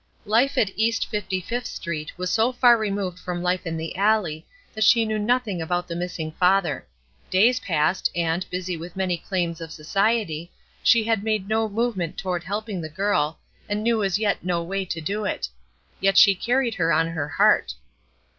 Life at East Fifty fifth Street was so far removed from life in the alley that she knew nothing about the missing father. Days passed, and, busy with many claims of society, she had made no movement toward helping the girl, and knew as yet no way to do it; yet she carried her on her heart.